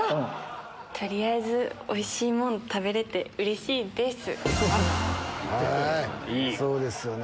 取りあえずおいしいもの食べれてうれしいです！